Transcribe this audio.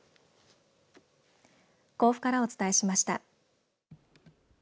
甲府からお伝えしました。